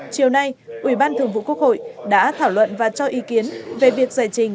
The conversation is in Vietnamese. chiều nay ủy ban thường vụ quốc hội đã thảo luận và cho ý kiến về việc giải trình